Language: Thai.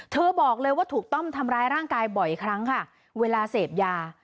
บอกเลยว่าถูกต้อมทำร้ายร่างกายบ่อยครั้งค่ะเวลาเสพยา